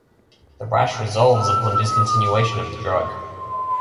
The rash resolves upon discontinuation of the drug.